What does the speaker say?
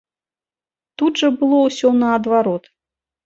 Тут жа было ўсё наадварот.